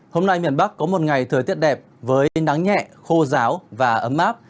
hôm nay miền bắc có một ngày thời tiết đẹp với nắng nhẹ khô giáo và ấm áp